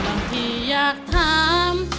บางทีอยากถาม